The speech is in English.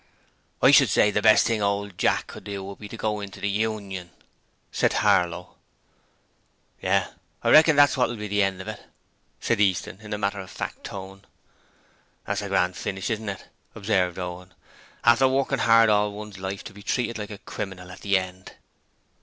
'I should say the best thing old Jack could do would be to go in the union,' said Harlow. 'Yes: I reckon that's what'll be the end of it,' said Easton in a matter of fact tone. 'It's a grand finish, isn't it?' observed Owen. 'After working hard all one's life to be treated like a criminal at the end.'